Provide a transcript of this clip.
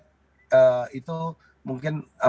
itu mungkin menjadi isu yang paling penting